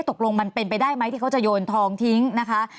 ตกลงมันเป็นไปได้ไหมที่เขาจะโยนทองทิ้งนะคะ